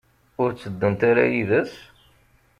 Ur tteddunt ara yid-s?